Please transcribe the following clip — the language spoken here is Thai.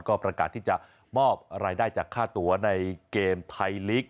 ก็ประกาศที่จะมอบรายได้จากค่าตัวในเกมไทยลีก